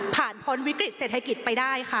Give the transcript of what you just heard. พ้นวิกฤตเศรษฐกิจไปได้ค่ะ